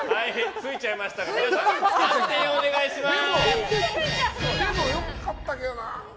ついちゃいましたが判定をお願いします。